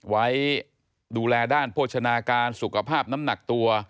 ไว้ดูแลด้านโภชนาการสุขภาพน้ำหนักตัว